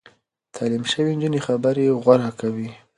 تعليم شوې نجونې خبرې غوره کوي.